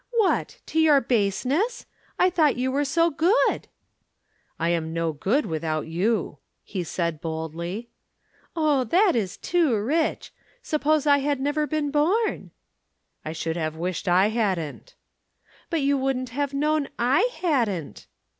"What! to your baseness? I thought you were so good." "I am no good without you," he said boldly. "Oh, that is too rich! Suppose I had never been born?" "I should have wished I hadn't." "But you wouldn't have known I hadn't."